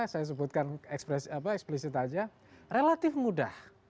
saya sebutkan eksplisit aja relatif mudah